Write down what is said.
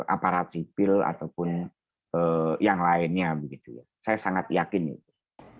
aparat sipil ataupun yang lainnya saya sangat yakin itu